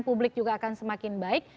publik juga akan semakin baik